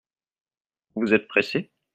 Vous êtes pressé ?